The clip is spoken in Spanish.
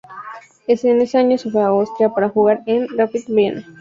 En ese año se fue a Austria para jugar en el Rapid Viena.